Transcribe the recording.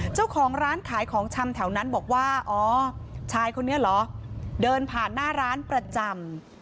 เจ้าของร้านขายของชำแถวนั้นบอกว่าอ๋อชายคนนี้เหรอเดินผ่านหน้าร้านประจำ